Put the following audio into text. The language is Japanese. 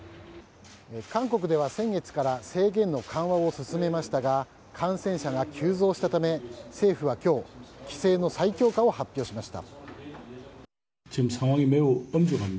韓国では先月から制限の緩和を進めましたが感染者が急増したため政府は今日規制の再強化を発表しました。